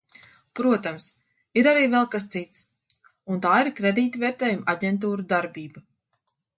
Protams, ir arī vēl kas cits, un tā ir kredītvērtējuma aģentūru darbība.